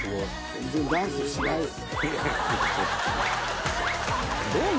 全然ダンスしない。））